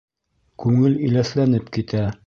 Күңел иләҫләнеп китә!